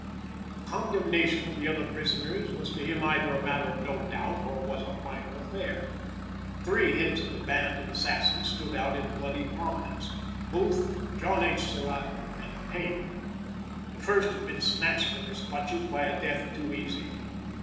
The condemnation of the other prisoners was to him either a matter of no doubt or was a minor affair. Three heads of the band of assassins stood out in bloody prominence Booth, John H. Surratt and Payne. The first had been snatched from his clutches by a death too easy.